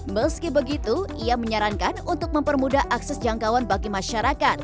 meski begitu ia menyarankan untuk mempermudah akses jangkauan bagi masyarakat